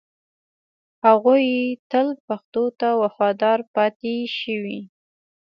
هغوی تل پښتو ته وفادار پاتې شوي